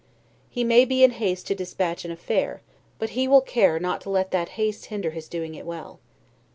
He may be in haste to dispatch an affair, but he will care not to let that haste hinder his doing it well.